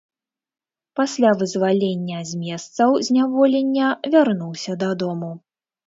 Пасля вызвалення з месцаў зняволення вярнуўся дадому.